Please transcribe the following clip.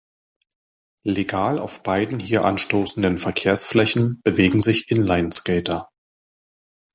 Legal auf beiden hier anstoßenden Verkehrsflächen bewegen sich Inline-Skater.